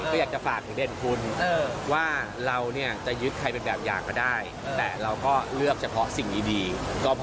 ก็อยากจะฝากถึงเด่นคุณว่าเราเนี่ยจะยึดใครเป็นแบบอย่างก็ได้แต่เราก็เลือกเฉพาะสิ่งดีก็พอ